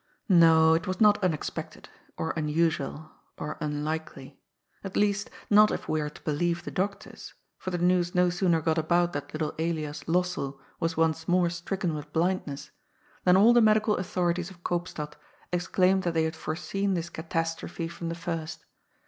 No, it was not unexpected, or nnnsnal, or unlikely. At least, not if we are to believe the doctors, for the news no sooner got about that little Elias Lossell was once more stricken with blindness, than all the medical authorities of Koopstad exclaimed that they had foreseen this catastrophe from the first.